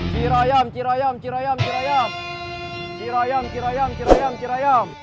cirayam cirayam cirayam cirayam cirayam cirayam cirayam cirayam cirayam